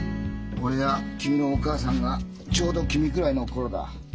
俺や君のお母さんがちょうど君ぐらいの頃だ。